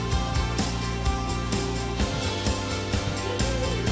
hai ini kita stasiun tegalual